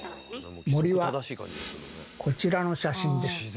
森はこちらの写真です。